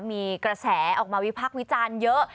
มีกระแสออกมาวิพักษ์วิจารณ์เยอะ